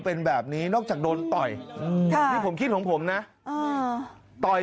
เป็นแบบนี้นอกจากโดนต่อยนี่ผมคิดของผมนะต่อย